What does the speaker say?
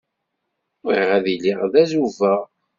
Bɣiɣ ad iliɣ d azubaɣ.